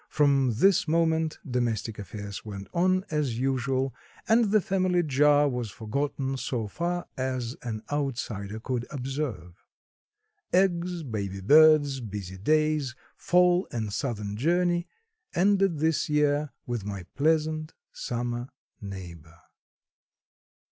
From this moment domestic affairs went on as usual and the family jar was forgotten, so far as an outsider could observe. Eggs, baby birds, busy days, fall and southern journey, ended this year with my pleasant summer neighbor.